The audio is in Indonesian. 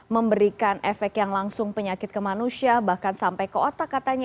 memberikan efek yang langsung penyakit ke manusia bahkan sampai ke otak katanya